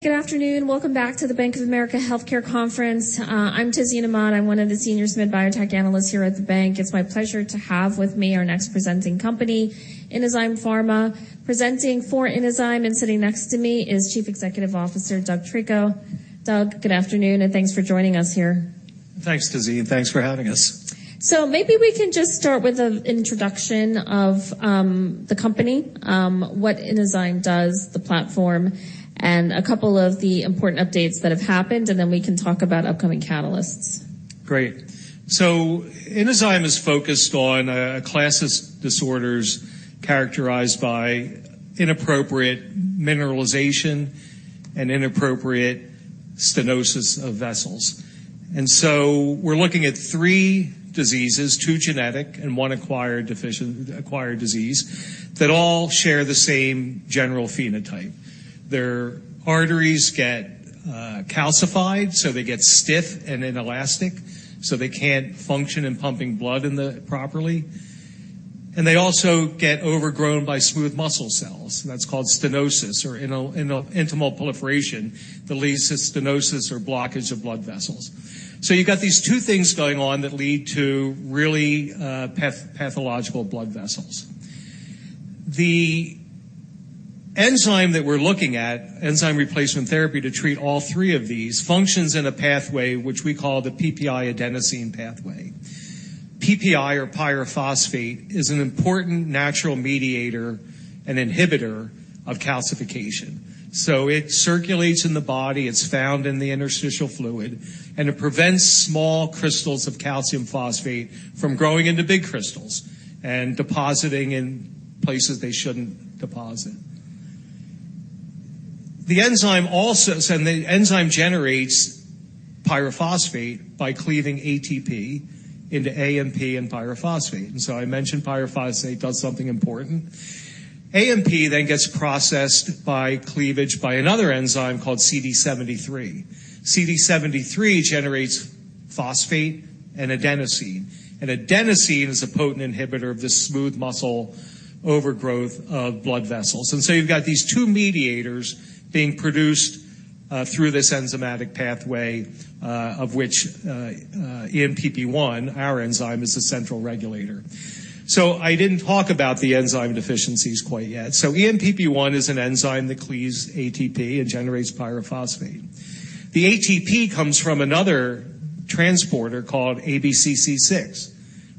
Good afternoon. Welcome back to the Bank of America Healthcare Conference. I'm Tiziana Mott. I'm one of the senior mid-cap biotech analysts here at the bank. It's my pleasure to have with me our next presenting company, Inozyme Pharma. Presenting for Inozyme and sitting next to me is Chief Executive Officer, Doug Treco. Doug, good afternoon, and thanks for joining us here. Thanks, Tizzy, and thanks for having us. Maybe we can just start with an introduction of the company, what Inozyme does, the platform, and a couple of the important updates that have happened, and then we can talk about upcoming catalysts. Great. So Inozyme is focused on classes disorders characterized by inappropriate mineralization and inappropriate stenosis of vessels. And so we're looking at three diseases, two genetic and one acquired disease, that all share the same general phenotype. Their arteries get calcified, so they get stiff and inelastic, so they can't function in pumping blood properly. And they also get overgrown by smooth muscle cells. That's called stenosis or intimal proliferation, that leads to stenosis or blockage of blood vessels. So you got these two things going on that lead to really pathological blood vessels. The enzyme that we're looking at, enzyme replacement therapy, to treat all three of these, functions in a pathway which we call the PPi adenosine pathway. PPi or pyrophosphate, is an important natural mediator and inhibitor of calcification. So it circulates in the body, it's found in the interstitial fluid, and it prevents small crystals of calcium phosphate from growing into big crystals and depositing in places they shouldn't deposit. The enzyme also. So the enzyme generates pyrophosphate by cleaving ATP into AMP and pyrophosphate. And so I mentioned pyrophosphate does something important. AMP then gets processed by cleavage by another enzyme called CD73. CD73 generates phosphate and adenosine, and adenosine is a potent inhibitor of this smooth muscle overgrowth of blood vessels. And so you've got these two mediators being produced through this enzymatic pathway of which ENPP1, our enzyme, is the central regulator. So I didn't talk about the enzyme deficiencies quite yet. So ENPP1 is an enzyme that cleaves ATP and generates pyrophosphate. The ATP comes from another transporter called ABCC6,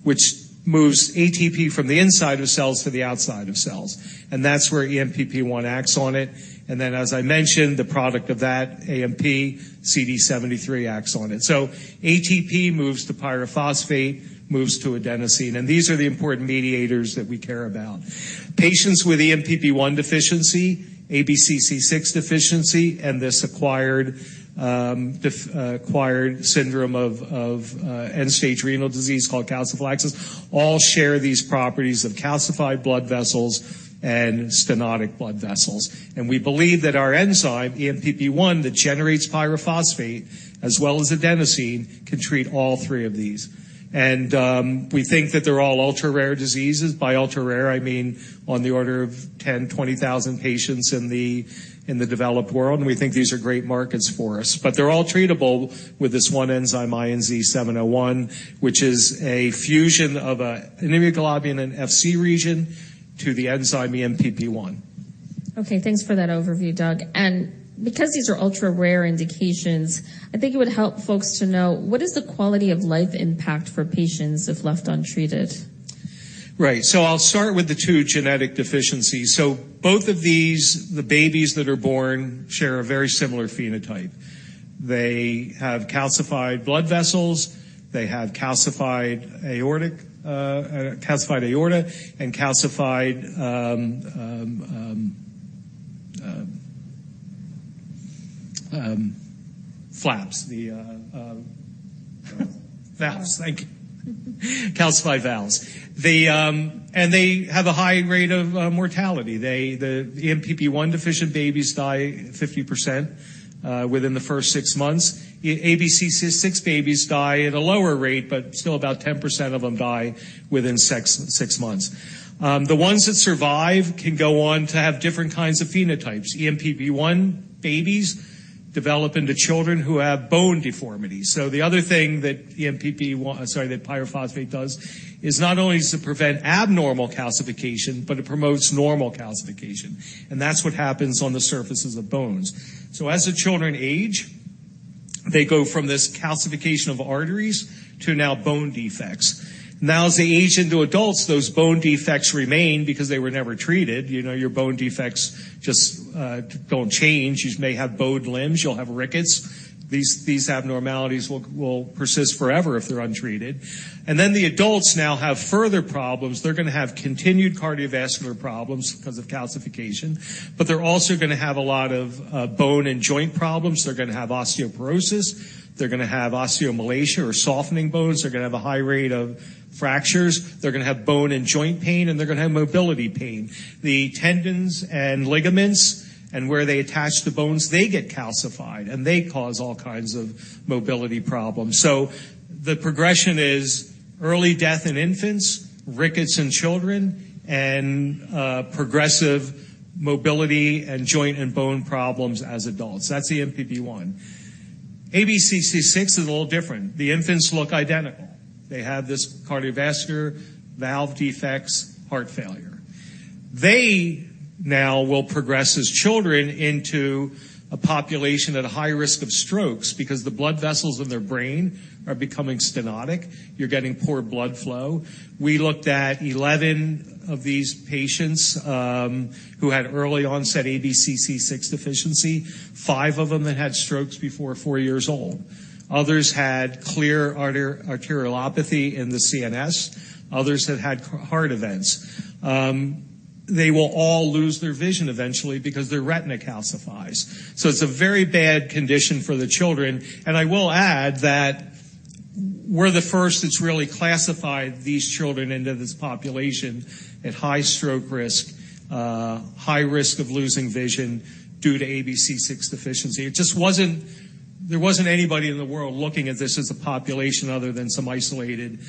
which moves ATP from the inside of cells to the outside of cells, and that's where ENPP1 acts on it. Then, as I mentioned, the product of that AMP, CD73, acts on it. ATP moves to pyrophosphate, moves to adenosine, and these are the important mediators that we care about. Patients with ENPP1 deficiency, ABCC6 deficiency, and this acquired syndrome of end-stage renal disease called calciphylaxis, all share these properties of calcified blood vessels and stenotic blood vessels. We believe that our enzyme, ENPP1, that generates pyrophosphate, as well as adenosine, can treat all three of these. We think that they're all ultra-rare diseases. By ultra-rare, I mean on the order of 10,000-20,000 patients in the developed world, and we think these are great markets for us, but they're all treatable with this one enzyme, INZ-701, which is a fusion of an immunoglobulin Fc region to the enzyme ENPP1. Okay, thanks for that overview, Doug. Because these are ultra-rare indications, I think it would help folks to know, what is the quality of life impact for patients if left untreated? Right. So I'll start with the two genetic deficiencies. So both of these, the babies that are born, share a very similar phenotype. They have calcified blood vessels, they have calcified aortic, calcified aorta, and calcified valves. Thank you. Calcified valves. They and they have a high rate of mortality. They, the ENPP1 deficient babies die 50%, within the first six months. ABCC6 babies die at a lower rate, but still about 10% of them die within six months. The ones that survive can go on to have different kinds of phenotypes. ENPP1 babies develop into children who have bone deformity. So the other thing that ENPP1, sorry, that pyrophosphate does, is not only does it prevent abnormal calcification, but it promotes normal calcification, and that's what happens on the surfaces of bones. So as the children age, they go from this calcification of arteries to now bone defects. Now, as they age into adults, those bone defects remain because they were never treated. You know, your bone defects just don't change. You may have bowed limbs, you'll have rickets. These abnormalities will persist forever if they're untreated. And then the adults now have further problems. They're going to have continued cardiovascular problems because of calcification, but they're also going to have a lot of bone and joint problems. They're going to have osteoporosis, they're going to have osteomalacia or softening bones. They're going to have a high rate of fractures. They're going to have bone and joint pain, and they're going to have mobility pain. The tendons and ligaments and where they attach the bones, they get calcified, and they cause all kinds of mobility problems. So the progression is early death in infants, rickets in children, and progressive mobility and joint and bone problems as adults. That's ENPP1. ABCC6 is a little different. The infants look identical. They have this cardiovascular valve defects, heart failure. They now will progress as children into a population at a high risk of strokes because the blood vessels in their brain are becoming stenotic. You're getting poor blood flow. We looked at 11 of these patients who had early onset ABCC6 deficiency. Five of them had had strokes before four years old. Others had clear arteriolopathy in the CNS, others had had heart events. They will all lose their vision eventually because their retina calcifies. So it's a very bad condition for the children, and I will add that we're the first that's really classified these children into this population at high stroke risk, high risk of losing vision due to ABCC6 deficiency. There wasn't anybody in the world looking at this as a population other than some isolated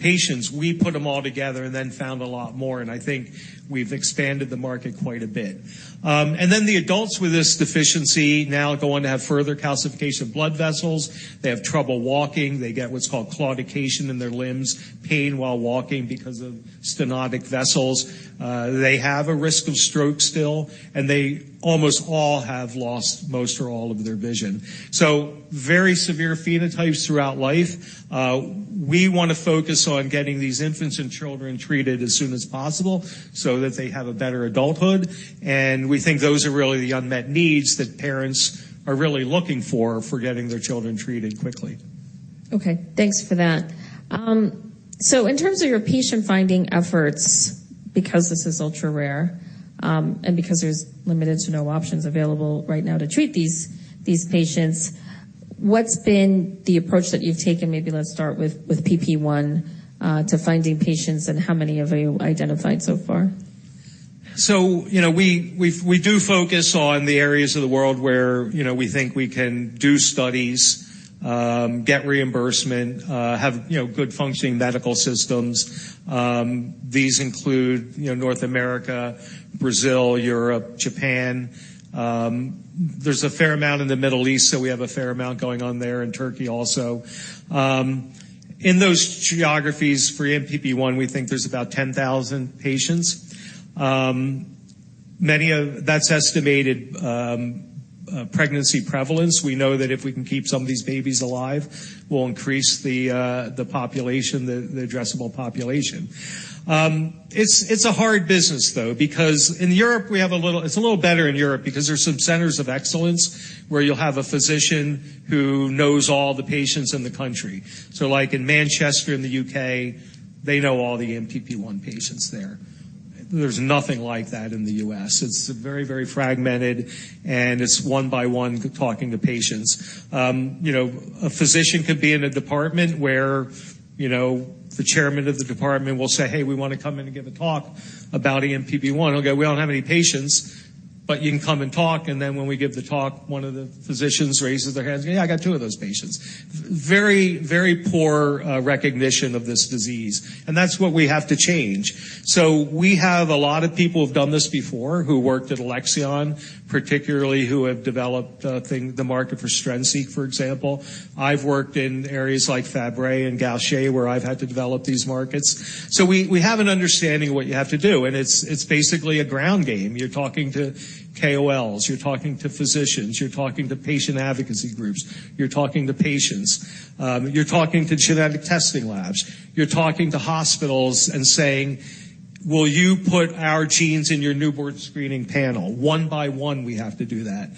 patients. We put them all together and then found a lot more, and I think we've expanded the market quite a bit. And then the adults with this deficiency now go on to have further calcification of blood vessels. They have trouble walking. They get what's called claudication in their limbs, pain while walking because of stenotic vessels. They have a risk of stroke still, and they almost all have lost most or all of their vision. So very severe phenotypes throughout life. We want to focus on getting these infants and children treated as soon as possible so that they have a better adulthood, and we think those are really the unmet needs that parents are really looking for, for getting their children treated quickly. Okay, thanks for that. So in terms of your patient-finding efforts, because this is ultra-rare, and because there's limited to no options available right now to treat these, these patients, what's been the approach that you've taken? Maybe let's start with ENPP1 to finding patients and how many have you identified so far? So, you know, we do focus on the areas of the world where, you know, we think we can do studies, get reimbursement, have, you know, good functioning medical systems. These include, you know, North America, Brazil, Europe, Japan. There's a fair amount in the Middle East, so we have a fair amount going on there, in Turkey also. In those geographies, for ENPP1, we think there's about 10,000 patients. That's estimated prevalence. We know that if we can keep some of these babies alive, we'll increase the population, the addressable population. It's a hard business, though, because in Europe, we have a little. It's a little better in Europe because there's some centers of excellence where you'll have a physician who knows all the patients in the country. So, like in Manchester, in the U.K., they know all the ENPP1 patients there. There's nothing like that in the U.S. It's very, very fragmented, and it's one by one talking to patients. You know, a physician could be in a department where, you know, the chairman of the department will say, "Hey, we want to come in and give a talk about ENPP1." They'll go, "We don't have any patients, but you can come and talk." And then when we give the talk, one of the physicians raises their hands. "Yeah, I got two of those patients." Very, very poor recognition of this disease, and that's what we have to change. So we have a lot of people who've done this before, who worked at Alexion, particularly who have developed thing, the market for Strensiq, for example. I've worked in areas like Fabry and Gaucher, where I've had to develop these markets. So we have an understanding of what you have to do, and it's basically a ground game. You're talking to KOLs, you're talking to physicians, you're talking to patient advocacy groups, you're talking to patients, you're talking to genetic testing labs, you're talking to hospitals and saying: Will you put our genes in your newborn screening panel? One by one, we have to do that.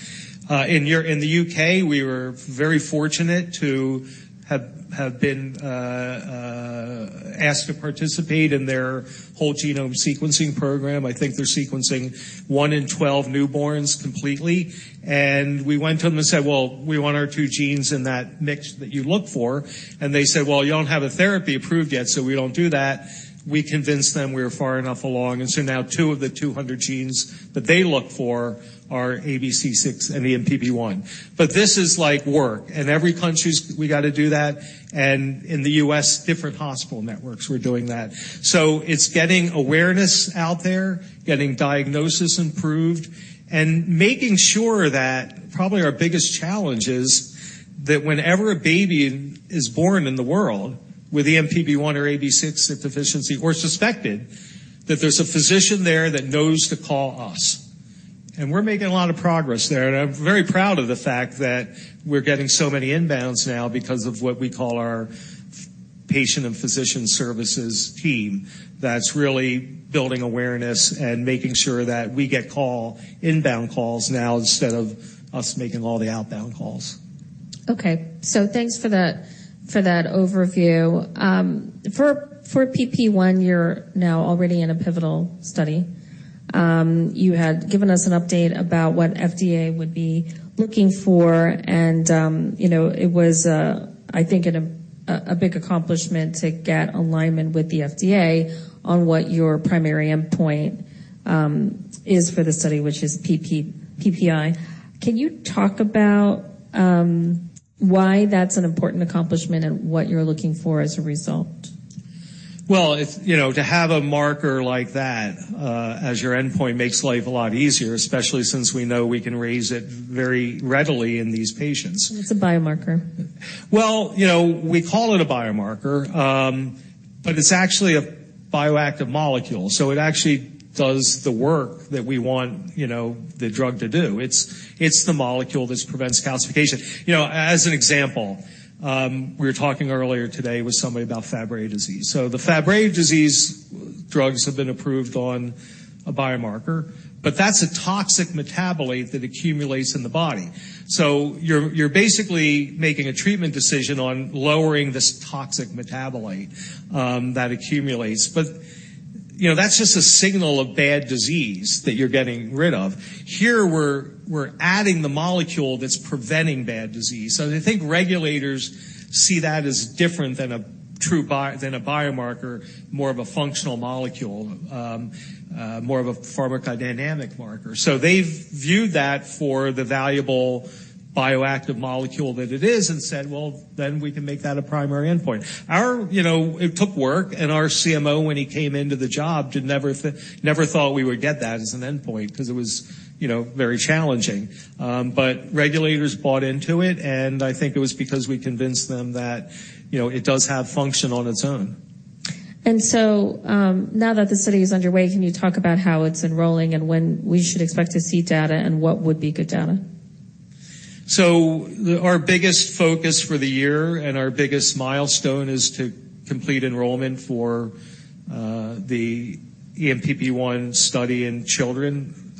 In the U.K., we were very fortunate to have been asked to participate in their whole genome sequencing program. I think they're sequencing one in 12 newborns completely, and we went to them and said, "Well, we want our two genes in that mix that you look for." And they said, "Well, you don't have a therapy approved yet, so we don't do that." We convinced them we were far enough along, and so now two of the 200 genes that they look for are ABCC6 and ENPP1. But this is like work, and every country's, we got to do that, and in the U.S., different hospital networks, we're doing that. So it's getting awareness out there, getting diagnosis improved, and making sure that probably our biggest challenge is that whenever a baby is born in the world with ENPP1 or ABCC6 deficiency or suspected, that there's a physician there that knows to call us. We're making a lot of progress there, and I'm very proud of the fact that we're getting so many inbounds now because of what we call our patient and physician services team. That's really building awareness and making sure that we get calls, inbound calls now instead of us making all the outbound calls. Okay, so thanks for that, for that overview. For ENPP1, you're now already in a pivotal study. You had given us an update about what FDA would be looking for, and, you know, it was, I think a big accomplishment to get alignment with the FDA on what your primary endpoint is for the study, which is PPi. Can you talk about why that's an important accomplishment and what you're looking for as a result? ...Well, if, you know, to have a marker like that as your endpoint makes life a lot easier, especially since we know we can raise it very readily in these patients. It's a biomarker. Well, you know, we call it a biomarker, but it's actually a bioactive molecule, so it actually does the work that we want, you know, the drug to do. It's, it's the molecule that prevents calcification. You know, as an example, we were talking earlier today with somebody about Fabry disease. So the Fabry disease drugs have been approved on a biomarker, but that's a toxic metabolite that accumulates in the body. So you're, you're basically making a treatment decision on lowering this toxic metabolite that accumulates. But, you know, that's just a signal of bad disease that you're getting rid of. Here, we're, we're adding the molecule that's preventing bad disease. So I think regulators see that as different than a true bio-- than a biomarker, more of a functional molecule, more of a pharmacodynamic marker. So they've viewed that for the valuable bioactive molecule that it is and said, "Well, then we can make that a primary endpoint." Our, you know, it took work, and our CMO, when he came into the job, never thought we would get that as an endpoint because it was, you know, very challenging. But regulators bought into it, and I think it was because we convinced them that, you know, it does have function on its own. Now that the study is underway, can you talk about how it's enrolling and when we should expect to see data and what would be good data? So our biggest focus for the year and our biggest milestone is to complete enrollment for the ENPP1 study in children.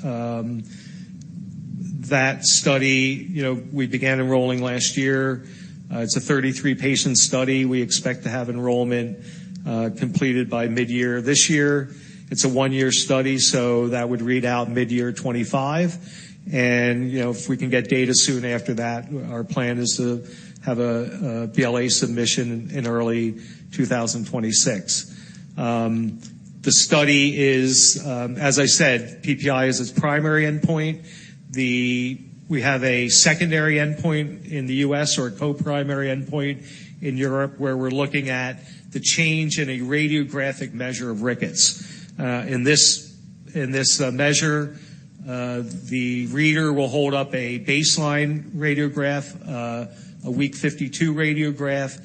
That study, you know, we began enrolling last year. It's a 33-patient study. We expect to have enrollment completed by mid-year this year. It's a one-year study, so that would read out mid-year 2025. And, you know, if we can get data soon after that, our plan is to have a BLA submission in early 2026. The study is, as I said, PPi is its primary endpoint. We have a secondary endpoint in the U.S. or a co-primary endpoint in Europe, where we're looking at the change in a radiographic measure of rickets. In this measure, the reader will hold up a baseline radiograph, a week 52 radiograph.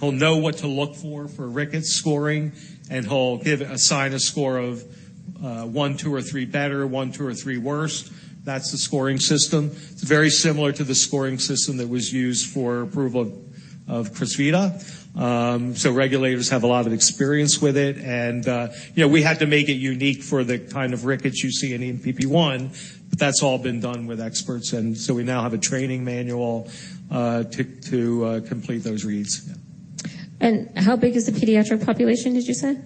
He'll know what to look for, for rickets scoring, and he'll give, assign a score of one, two, or three better, one, two, or three worse. That's the scoring system. It's very similar to the scoring system that was used for approval of Crysvita. So regulators have a lot of experience with it, and you know, we had to make it unique for the kind of rickets you see in ENPP1, but that's all been done with experts, and so we now have a training manual to complete those reads. How big is the pediatric population, did you say?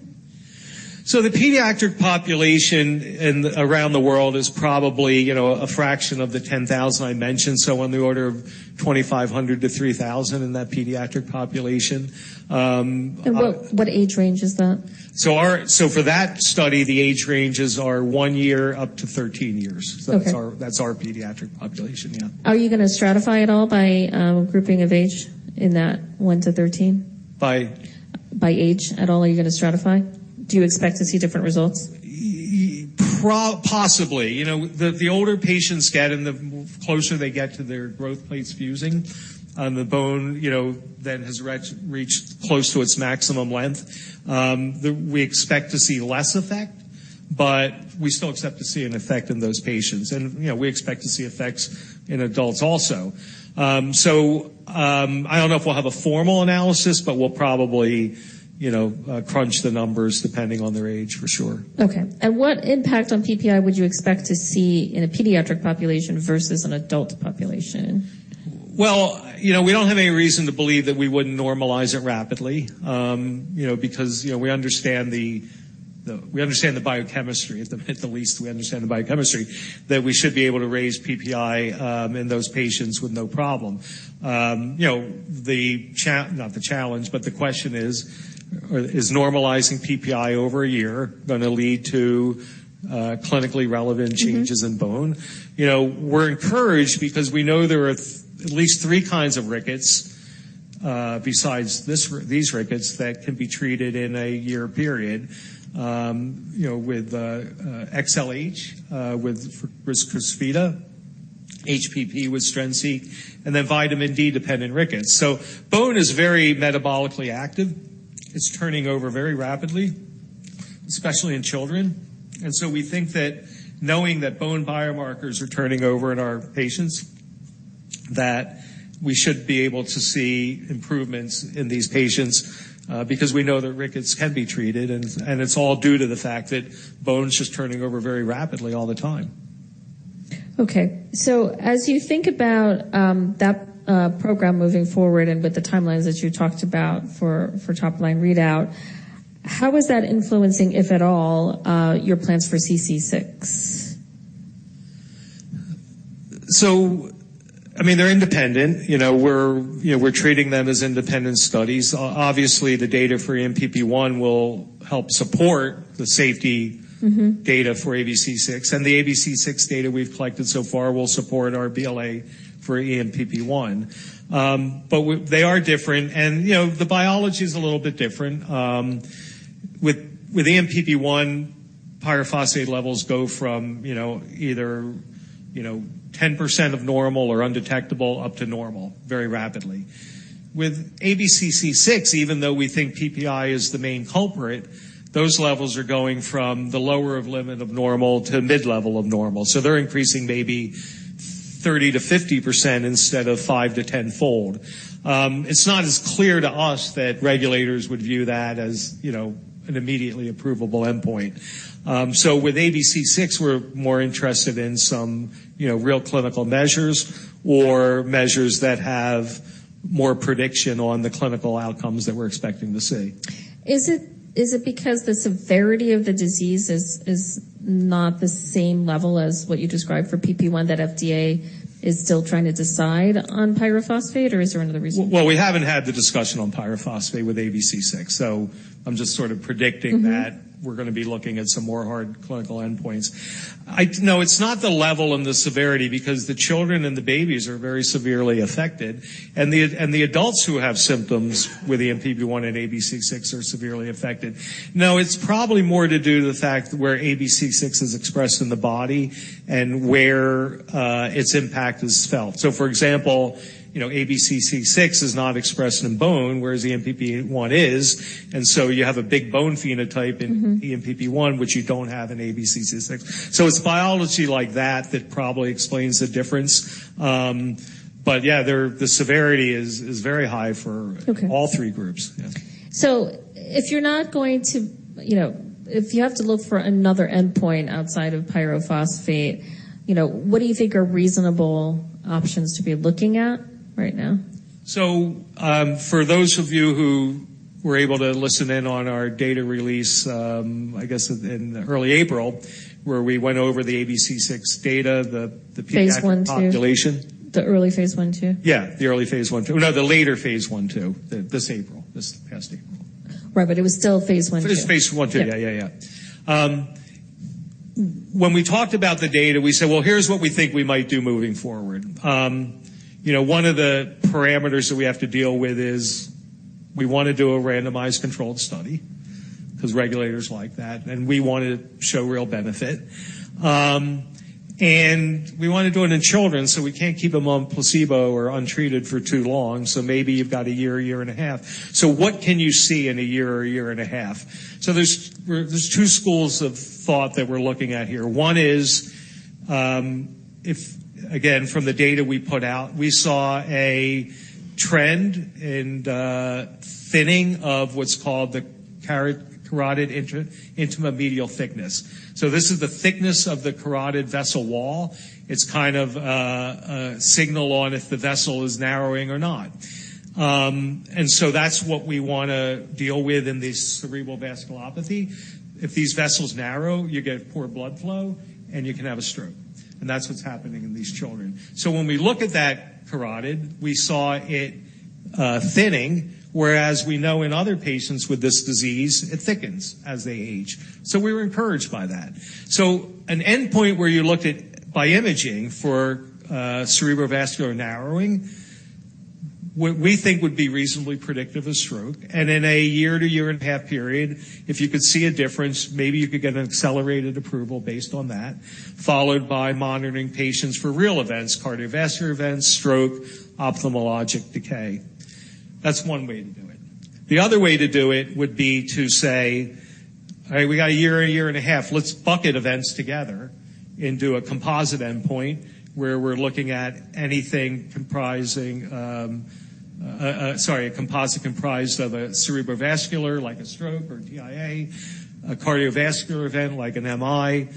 The pediatric population in, around the world is probably, you know, a fraction of the 10,000 I mentioned, so on the order of 2,500-3,000 in that pediatric population. What age range is that? For that study, the age ranges are one year up to 13 years. Okay. So that's our pediatric population, yeah. Are you going to stratify at all by grouping of age in that one to 13? By? By age at all, are you going to stratify? Do you expect to see different results? Possibly. You know, the older patients get and the closer they get to their growth plates fusing on the bone, you know, then has reached close to its maximum length, we expect to see less effect, but we still expect to see an effect in those patients. And, you know, we expect to see effects in adults also. I don't know if we'll have a formal analysis, but we'll probably, you know, crunch the numbers depending on their age, for sure. Okay. What impact on PPi would you expect to see in a pediatric population versus an adult population? Well, you know, we don't have any reason to believe that we wouldn't normalize it rapidly. You know, because, you know, we understand the biochemistry. At the least, we understand the biochemistry, that we should be able to raise PPi in those patients with no problem. You know, the cha-- not the challenge, but the question is, is normalizing PPi over a year going to lead to clinically relevant changes- Mm-hmm in bone? You know, we're encouraged because we know there are at least three kinds of rickets, besides these rickets, that can be treated in a year period. You know, with XLH, with Crysvita, HPP with Strensiq, and then vitamin D-dependent rickets. So bone is very metabolically active. It's turning over very rapidly, especially in children. And so we think that knowing that bone biomarkers are turning over in our patients, that we should be able to see improvements in these patients, because we know that rickets can be treated, and it's all due to the fact that bone is just turning over very rapidly all the time. Okay. So as you think about that program moving forward and with the timelines that you talked about for top-line readout, how is that influencing, if at all, your plans for ABCC6? So, I mean, they're independent. You know, we're, you know, we're treating them as independent studies. Obviously, the data for ENPP1 will help support the safety- Mm-hmm. Data for ABCC6, and the ABCC6 data we've collected so far will support our BLA for ENPP1. But they are different, and, you know, the biology is a little bit different. With ENPP1, pyrophosphate levels go from, you know, either 10% of normal or undetectable up to normal, very rapidly. With ABCC6, even though we think PPi is the main culprit, those levels are going from the lower limit of normal to mid-level of normal. So they're increasing maybe 30%-50% instead of five- to 10-fold. It's not as clear to us that regulators would view that as, you know, an immediately approvable endpoint. So with ABCC6, we're more interested in some, you know, real clinical measures or measures that have more prediction on the clinical outcomes that we're expecting to see. Is it because the severity of the disease is not the same level as what you described for PP1, that FDA is still trying to decide on pyrophosphate, or is there another reason? Well, we haven't had the discussion on pyrophosphate with ABCC6, so I'm just sort of predicting- Mm-hmm. -that we're going to be looking at some more hard clinical endpoints. I... No, it's not the level and the severity, because the children and the babies are very severely affected, and the adults who have symptoms with the ENPP1 and ABCC6 are severely affected. No, it's probably more to do with the fact where ABCC6 is expressed in the body and where its impact is felt. So for example, you know, ABCC6 is not expressed in bone, whereas the ENPP1 is, and so you have a big bone phenotype- Mm-hmm. in ENPP1, which you don't have in ABCC6. So it's biology like that that probably explains the difference. But yeah, the severity is very high for- Okay. all three groups. Yeah. So if you're not going to, you know, if you have to look for another endpoint outside of pyrophosphate, you know, what do you think are reasonable options to be looking at right now? For those of you who were able to listen in on our data release, I guess in early April, where we went over the ABCC6 data. phase I, II. Population. The early phase I, II? Yeah, the early phase I, II. No, the later phase I, II. This April, this past April. Right, but it was still phase I, II. It was phase I, II. Yeah. Yeah, yeah, yeah. When we talked about the data, we said, "Well, here's what we think we might do moving forward." You know, one of the parameters that we have to deal with is we want to do a randomized controlled study, because regulators like that, and we want to show real benefit. And we want to do it in children, so we can't keep them on placebo or untreated for too long. So maybe you've got a year, a year and a half. So what can you see in a year or a year and a half? So there's two schools of thought that we're looking at here. One is, if, again, from the data we put out, we saw a trend in the thinning of what's called the carotid intima-media thickness. So this is the thickness of the carotid vessel wall. It's kind of a signal on if the vessel is narrowing or not. And so that's what we want to deal with in this cerebral vasculopathy. If these vessels narrow, you get poor blood flow, and you can have a stroke, and that's what's happening in these children. So when we look at that carotid, we saw it thinning, whereas we know in other patients with this disease, it thickens as they age. So we were encouraged by that. So an endpoint where you looked at by imaging for cerebrovascular narrowing, what we think would be reasonably predictive of stroke, and in a year to a year and a half period, if you could see a difference, maybe you could get an accelerated approval based on that, followed by monitoring patients for real events, cardiovascular events, stroke, ophthalmologic decay. That's one way to do it. The other way to do it would be to say, "Hey, we got a year, a year and a half. Let's bucket events together into a composite endpoint, where we're looking at anything comprising a composite comprised of a cerebrovascular, like a stroke or TIA, a cardiovascular event, like an MI,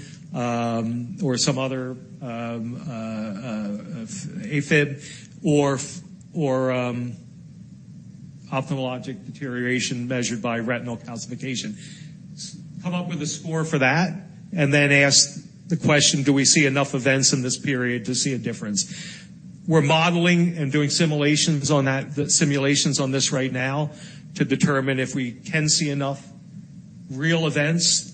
or some other AFib or ophthalmologic deterioration measured by retinal calcification. Come up with a score for that, and then ask the question: do we see enough events in this period to see a difference? We're modeling and doing simulations on that, simulations on this right now to determine if we can see enough real events,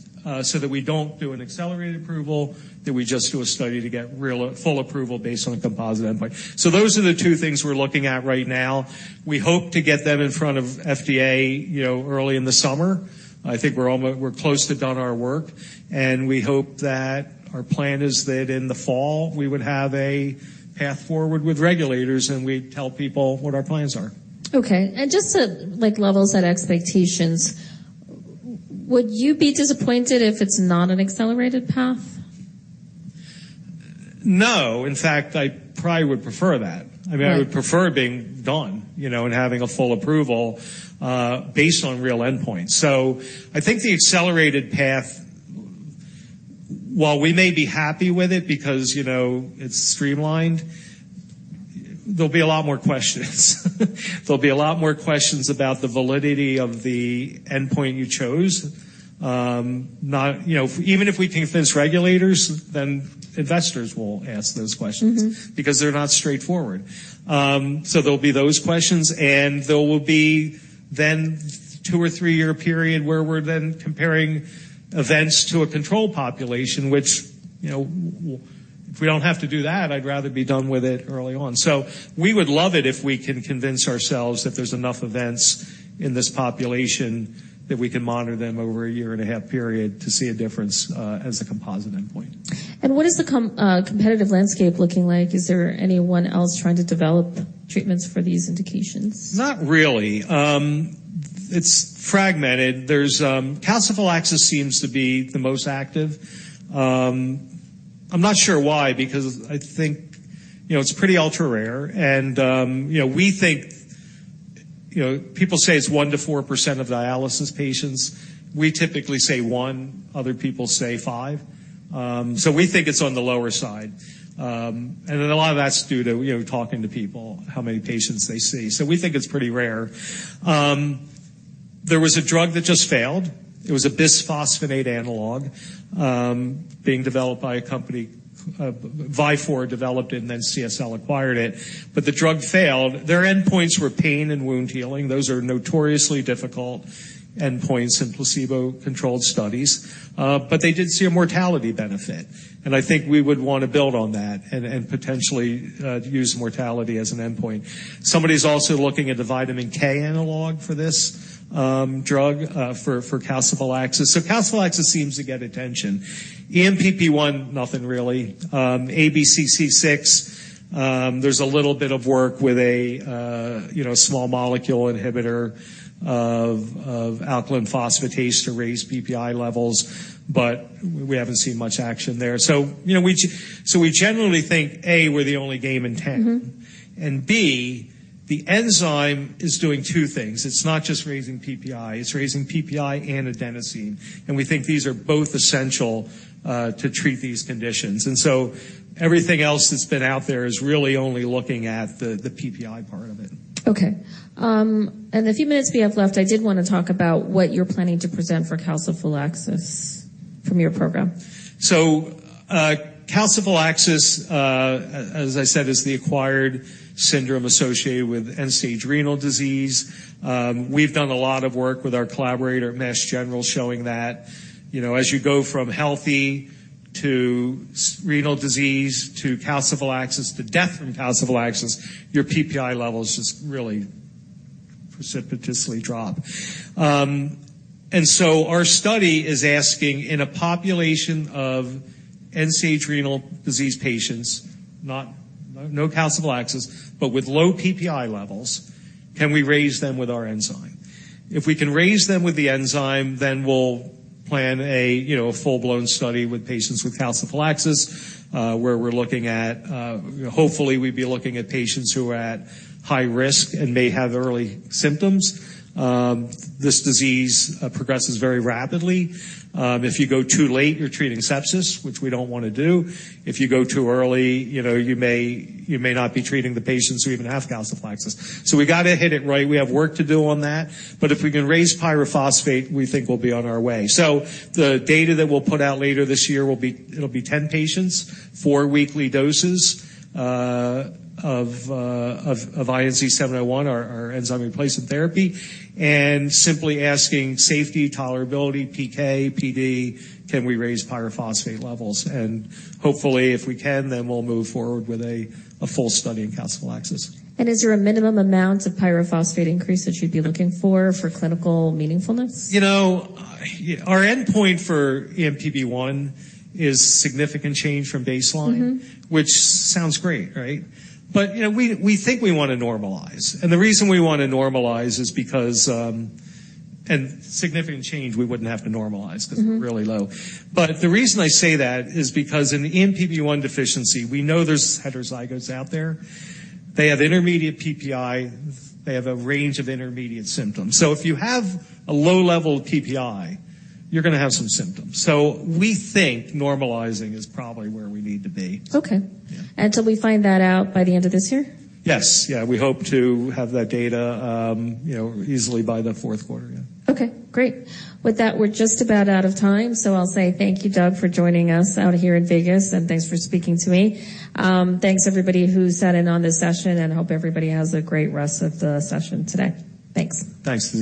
so that we don't do an accelerated approval, that we just do a study to get real, full approval based on a composite endpoint. Those are the two things we're looking at right now. We hope to get them in front of FDA, you know, early in the summer. I think we're close to done our work, and we hope that our plan is that in the fall, we would have a path forward with regulators, and we'd tell people what our plans are. Okay. And just to, like, level set expectations, would you be disappointed if it's not an accelerated path? No. In fact, I probably would prefer that. Right. I mean, I would prefer being done, you know, and having a full approval, based on real endpoints. So I think the accelerated path, while we may be happy with it because, you know, it's streamlined, there'll be a lot more questions. There'll be a lot more questions about the validity of the endpoint you chose. You know, even if we convince regulators, then investors will ask those questions- Mm-hmm. because they're not straightforward. So there'll be those questions, and there will be then two or three-year period where we're then comparing events to a control population, which, you know, if we don't have to do that, I'd rather be done with it early on. So we would love it if we can convince ourselves that there's enough events in this population that we can monitor them over a year-and-a-half period to see a difference, as a composite endpoint. What is the competitive landscape looking like? Is there anyone else trying to develop treatments for these indications? Not really. It's fragmented. There's calciphylaxis seems to be the most active. I'm not sure why, because I think, you know, it's pretty ultra-rare, and, you know, we think, you know, people say it's 1%-4% of dialysis patients. We typically say 1%, other people say 5%. So we think it's on the lower side. And a lot of that's due to, you know, talking to people, how many patients they see. So we think it's pretty rare. There was a drug that just failed. It was a bisphosphonate analog, being developed by a company, Vifor developed it, and then CSL acquired it, but the drug failed. Their endpoints were pain and wound healing. Those are notoriously difficult endpoints in placebo-controlled studies. But they did see a mortality benefit, and I think we would want to build on that and, and potentially, use mortality as an endpoint. Somebody's also looking at a vitamin K analog for this drug, for calciphylaxis. So calciphylaxis seems to get attention. ENPP1, nothing really. ABCC6, there's a little bit of work with a, you know, small molecule inhibitor of, of alkaline phosphatase to raise PPi levels, but we haven't seen much action there. So, you know, we generally think, A, we're the only game in town. Mm-hmm. B, the enzyme is doing two things. It's not just raising PPi, it's raising PPi and adenosine, and we think these are both essential to treat these conditions. And so everything else that's been out there is really only looking at the PPi part of it. Okay. The few minutes we have left, I did wanna talk about what you're planning to present for Calciphylaxis from your program. So, calciphylaxis, as I said, is the acquired syndrome associated with end-stage renal disease. We've done a lot of work with our collaborator at Mass General, showing that, you know, as you go from healthy to stage renal disease, to calciphylaxis, to death from calciphylaxis, your PPi levels just really precipitously drop. So our study is asking, in a population of end-stage renal disease patients, no calciphylaxis, but with low PPi levels, can we raise them with our enzyme? If we can raise them with the enzyme, then we'll plan a, you know, a full-blown study with patients with calciphylaxis, where we're looking at, hopefully, we'd be looking at patients who are at high risk and may have early symptoms. This disease progresses very rapidly. If you go too late, you're treating sepsis, which we don't wanna do. If you go too early, you know, you may, you may not be treating the patients who even have calciphylaxis. So we gotta hit it right. We have work to do on that, but if we can raise pyrophosphate, we think we'll be on our way. So the data that we'll put out later this year will be, it'll be 10 patients, four weekly doses of INZ-701, our enzyme replacement therapy, and simply asking safety, tolerability, PK, PD, can we raise pyrophosphate levels? And hopefully, if we can, then we'll move forward with a full study in calciphylaxis. Is there a minimum amount of pyrophosphate increase that you'd be looking for for clinical meaningfulness? You know, our endpoint for ENPP1 is significant change from baseline. Mm-hmm. Which sounds great, right? But, you know, we think we wanna normalize, and the reason we want to normalize is because... And significant change, we wouldn't have to normalize- Mm-hmm. Because it's really low. But the reason I say that is because in the ENPP1 Deficiency, we know there's heterozygotes out there. They have intermediate PPi. They have a range of intermediate symptoms. So if you have a low level of PPi, you're gonna have some symptoms. So we think normalizing is probably where we need to be. Okay. Yeah. Till we find that out by the end of this year? Yes. Yeah, we hope to have that data, you know, easily by the fourth quarter. Yeah. Okay, great. With that, we're just about out of time, so I'll say thank you, Doug, for joining us out here in Vegas, and thanks for speaking to me. Thanks, everybody, who sat in on this session, and hope everybody has a great rest of the session today. Thanks. Thanks, Tizzy.